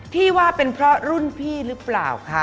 ที่ว่าเป็นเพราะรุ่นพี่หรือเปล่าคะ